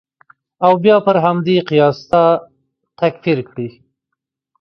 او بیا پر همدې قیاس تا تکفیر کړي.